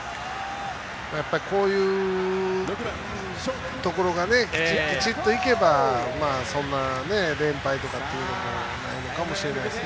こういうところがきちっといけばそんなに連敗とかっていうのもないのかもしれないですね。